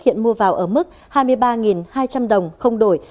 hiện mua vào ở mức hai mươi ba hai trăm linh đồng không đổi